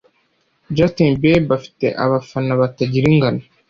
Justin Bieber afite abafana batangira ingano